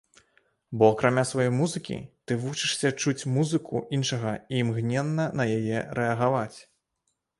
Бо акрамя сваёй музыкі, ты вучышся чуць музыку іншага і імгненна на яе рэагаваць.